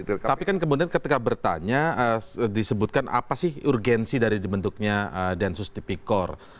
tapi kan kemudian ketika bertanya disebutkan apa sih urgensi dari dibentuknya densus tipikor